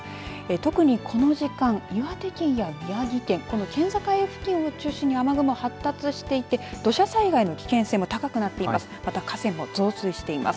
特にこの時間岩手県や宮城県の県境付近を中心に雨雲が発達していて土砂災害の危険性も高くなっています。